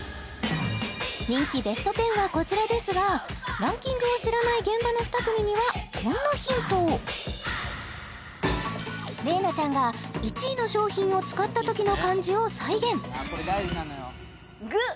人気ベスト１０はこちらですがランキングを知らない現場の２組にはこんなヒントを麗菜ちゃんが１位のまともに考えりゃ